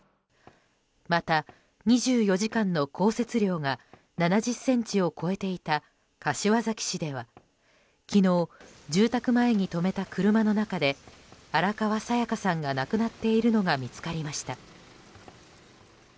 また、２４時間の降雪量が７０ｃｍを超えていた柏崎市では昨日、住宅前に止めた車の中で荒川紗夜嘉さんが亡くなっているのが見つかりました。